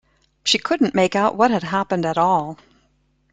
She couldn’t make out what had happened at all.